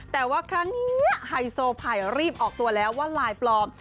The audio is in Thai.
แต่ว่าครั้งนี้ไฮโซไผ่รีบออกตัวแล้วว่าลายปลอม